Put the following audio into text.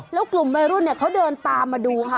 แล้วกลุ่มวัยรุ่นเนี่ยเขาเดินตามมาดูค่ะ